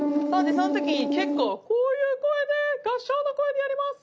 その時に結構こういう声で合唱の声でやります。